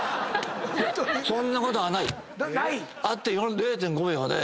そんなことはない！